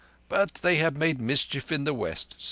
But they have made mischief in the West.